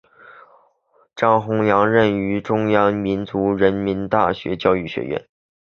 张宏良任职于中央民族大学成人教育学院。